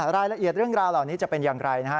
รายละเอียดเรื่องราวเหล่านี้จะเป็นอย่างไรนะฮะ